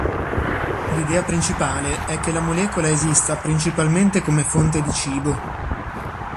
L'idea principale è che la molecola esista principalmente come fonte di cibo.